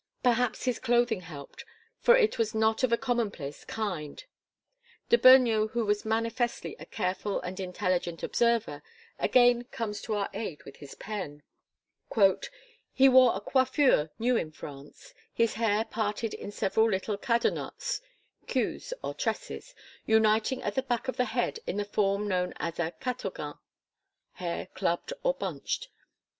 Perhaps his clothing helped, for it was not of a commonplace kind. De Beugnot who was manifestly a careful and intelligent observer again comes to our aid with his pen: "He wore a coiffure new in France; his hair parted in several little cadenottes (queues or tresses) uniting at the back of the head in the form known as a 'catogan' (hair clubbed or bunched).